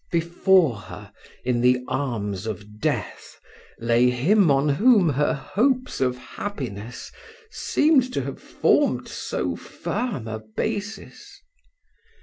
Before her, in the arms of death, lay him on whom her hopes of happiness seemed to have formed so firm a basis.